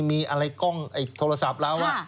มีอะไรกล้องโทรศัพท์เรา